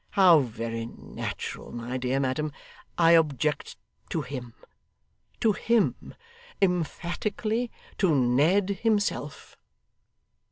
How very natural! My dear madam, I object to him to him emphatically to Ned himself.